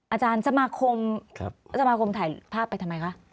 อาจารย์สมาคมสมาคมถ่ายภาพไปทำไมคะ